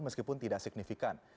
meskipun tidak signifikan